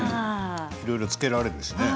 いろいろつけられるしね。